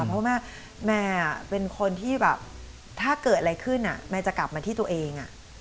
เพราะว่าแม่เป็นคนที่แบบถ้าเกิดอะไรขึ้นแม่จะกลับมาที่ตัวเอง